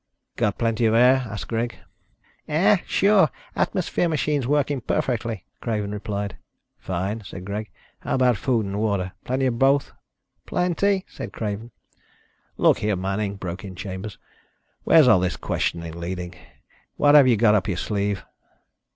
"Got plenty of air?" asked Greg. "Air? Sure. Atmosphere machines working perfectly," Craven replied. "Fine," said Greg. "How about food and water? Plenty of both?" "Plenty," said Craven. "Look here, Manning," broke in Chambers, "where's all this questioning leading? What have you got up your sleeve?"